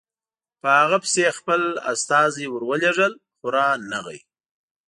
په هغه پسې یې خپل استازي ورولېږل خو رانغی.